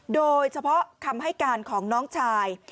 โดยเฉพาะคำให้การของน้องชาย